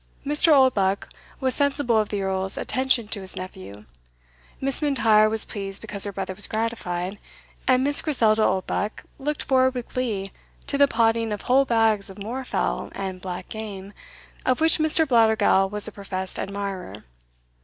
Mr. Oldbuck was sensible of the Earl's attention to his nephew; Miss M'Intyre was pleased because her brother was gratified; and Miss Griselda Oldbuck looked forward with glee to the potting of whole bags of moorfowl and black game, of which Mr. Blattergowl was a professed admirer.